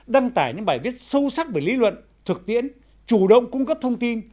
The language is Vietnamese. đăng tải những bài viết sâu sắc về lý luận thực tiễn chủ động cung cấp thông tin